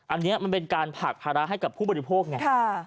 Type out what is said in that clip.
อันนี้มันเป็นการผลักภาระให้กับผู้บริโภคไง